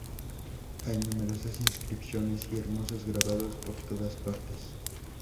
Hay numerosas inscripciones y hermosos grabados por todas partes.